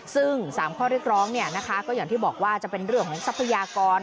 ซึ่ง๓ข้อเรียกร้องก็อย่างที่บอกว่าจะเป็นเรื่องของทรัพยากร